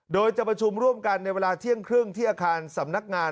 โดยจะประชุมร่วมกันในเวลาเที่ยงครึ่งที่อาคารสำนักงาน